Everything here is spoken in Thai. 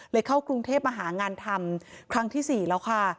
เข้ากรุงเทพมาหางานทำครั้งที่๔แล้วค่ะ